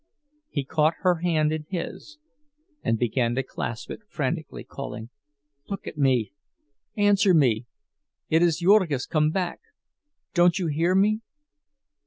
He caught her hand in his, and began to clasp it frantically, calling: "Look at me! Answer me! It is Jurgis come back—don't you hear me?"